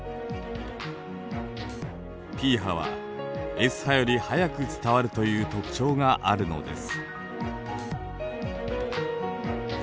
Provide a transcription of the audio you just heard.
Ｐ波はＳ波より速く伝わるという特徴があるのです。